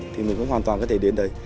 thì mình cũng hoàn toàn có thể đến đấy